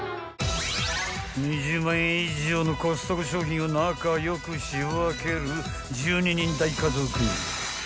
［２０万円以上のコストコ商品を仲良く仕分ける１２人大家族］